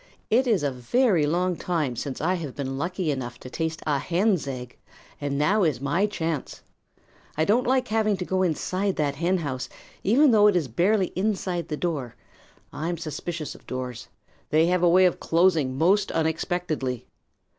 It is a very long time since I have been lucky enough to taste a hen's egg, and now is my chance. I don't like having to go inside that henhouse, even though it is barely inside the door. I'm suspicious of doors. They have a way of closing most unexpectedly.